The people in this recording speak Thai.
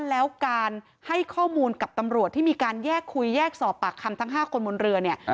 แล้วการให้ข้อมูลกับตำรวจที่มีการแยกคุยแยกสอบปากคำทั้ง๕คนบนเรือเนี่ย